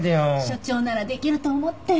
所長ならできると思って。